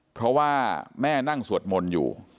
เพราะว่าแม่นั่งสวดมนต์อยู่